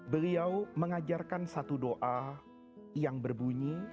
beliau mengajarkan satu doa yang berbunyi